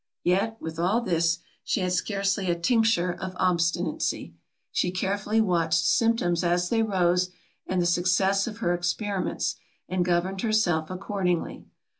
Yet, with all this, she had scarcely a tincture of obstinacy. She carefully watched symptoms as they rose, and the success of her experiments; and governed herself accordingly.